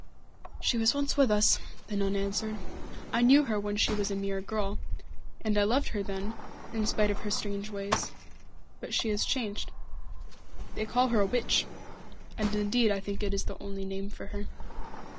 "She was once with us," the nun answered. "I knew her when she was a mere girl and I loved her then, in spite of her strange ways. But she has changed. They call her a Witch and indeed I think it is the only name for her."